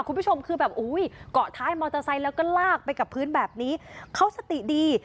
คุณผู้ชมคือแบบอุ้ยเกาะท้ายมอเตอร์ไซค์แล้วก็ลากไปกับพื้นแบบนี้เขาสติดี